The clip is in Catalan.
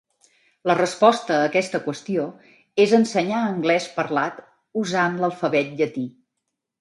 La resposta a aquesta qüestió és ensenyar anglès parlat usant l"alfabet llatí.